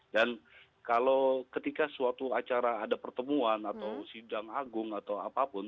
dan kalau ketika suatu acara ada pertemuan atau sidang agung atau apapun